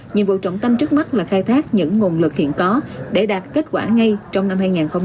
nhiệm vụ trọng tâm trước mắt là khai thác những nguồn lực hiện có để đạt kết quả ngay trong năm hai nghìn hai mươi